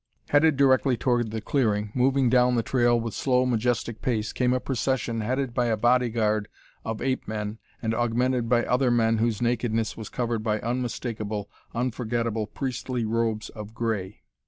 Headed directly toward the clearing, moving down the trail with slow, majestic pace, came a procession headed by a bodyguard of ape men and augmented by other men whose nakedness was covered by unmistakable, unforgetable priestly robes of gray.